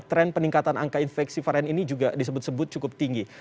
tren peningkatan angka infeksi varian ini juga disebut sebut cukup tinggi